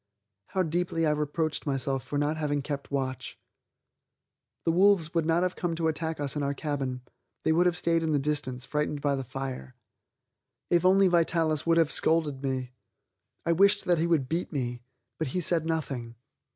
How deeply I reproached myself for not having kept watch. The wolves would not have come to attack us in our cabin; they would have stayed in the distance, frightened by the fire. If only Vitalis would have scolded me! I wished that he would beat me. But he said nothing.